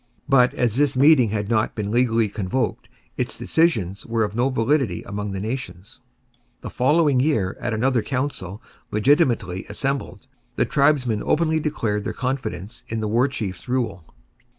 But as this meeting had not been legally convoked, its decisions were of no validity among the Nations. The following year, at another council, legitimately assembled, the tribesmen openly declared their confidence in the War Chief's rule.